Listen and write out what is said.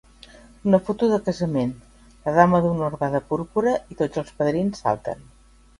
Una foto de casament, la dama d'honor va de púrpura i tots els padrins salten.